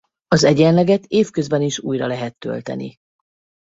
Az egyenleget év közben is újra lehet tölteni.